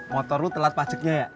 motor lu telat pajeknya ya